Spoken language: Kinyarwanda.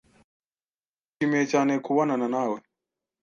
Nishimiye cyane kubonana nawe.